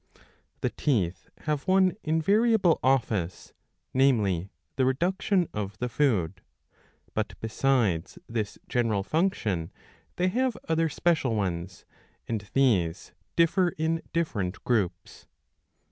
The teeth have one invariable office, namely the reduction of the food ; but besides this general function they have other special ones, and these differ in different groups.